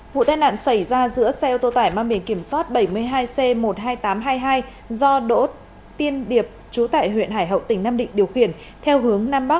vụ tai nạn xảy ra giữa xe ô tô tải mang biển kiểm soát bảy mươi hai c một mươi hai nghìn tám trăm hai mươi hai do đỗ tiên điệp chú tại huyện hải hậu tỉnh nam định điều khiển theo hướng nam bắc